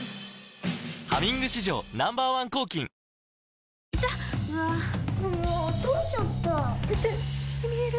「ハミング」史上Ｎｏ．１抗菌あっつい！